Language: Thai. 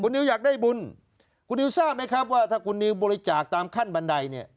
นิวอยากได้บุญคุณนิวทราบไหมครับว่าถ้าคุณนิวบริจาคตามขั้นบันไดเนี่ย